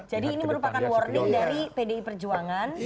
jadi ini merupakan warning dari pdi perjuangan